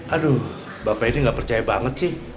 aduh bapak ini gak percaya banget sih